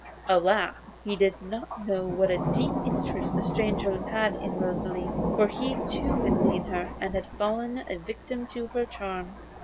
Alas! he did not know what a deep interest the stranger had in Rosalie, for he too had seen her, and had fallen a victim to her charms.